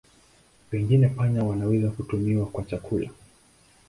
Pengine panya wanaweza kutumiwa kwa chakula.